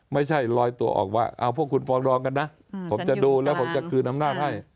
ไม่ใช่ลอยตัวออกว่าเอาพวกคุณฟองรองกันนะผมจะดูแล้วผมจะคืนอำนาจให้